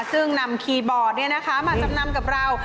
ซึ่งนำคีย์บอร์ดมาจำนำกับเรา